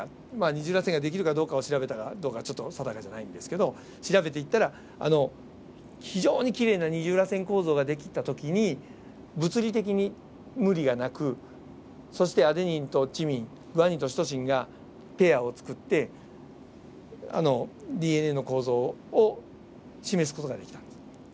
二重らせんが出来るかどうかを調べたかどうかちょっと定かじゃないんですけど調べていったら非常にきれいな二重らせん構造が出来た時に物理的に無理がなくそしてアデニンとチミングアニンとシトシンがペアを作ってＤＮＡの構造を示す事ができたんです。